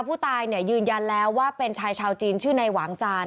ผู้ตายเนี่ยยืนยันแล้วว่าเป็นชายชาวจีนชื่อนายหวางจาน